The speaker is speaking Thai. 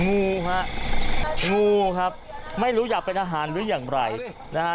งูฮะงูครับไม่รู้อยากเป็นอาหารหรืออย่างไรนะฮะ